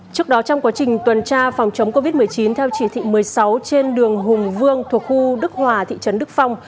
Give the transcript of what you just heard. trước đó trong quá trình tuần tra phòng chống covid một mươi chín theo chỉ thị một mươi sáu trên đường hùng vương thuộc khu đức hòa thị trấn đức phong